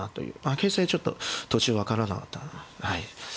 形勢ちょっと途中分からなかった。